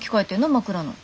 枕の。